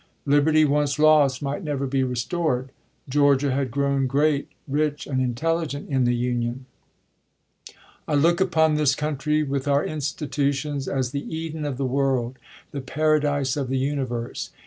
Liberty once lost might never be restored. Georgia had grown great, rich, and intelligent in the Union. I look upon this country, with our institutions, as the Eden of the world, the Paradise of the Universe.